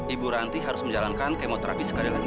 ibu ranti harus menjalankan kemoterapi sekali lagi